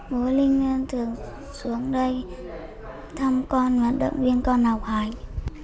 bố linh thường xuống đây thăm con và động viên con học hành